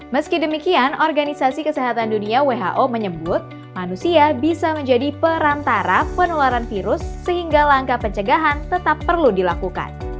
meski demikian organisasi kesehatan dunia who menyebut manusia bisa menjadi perantara penularan virus sehingga langkah pencegahan tetap perlu dilakukan